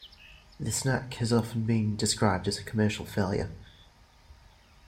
The snack has often been described as a commercial failure.